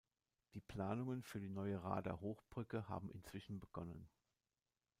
Die Planungen für die neue Rader Hochbrücke haben inzwischen begonnen.